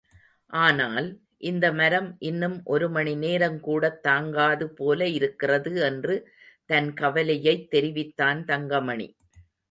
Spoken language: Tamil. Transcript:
ஆனால், இந்த மரம் இன்னும் ஒருமணி நேரங்கூடத் தாங்காது போல இருக்கிறது என்று தன் கவலையைத் தெரிவித்தான் தங்கமணி.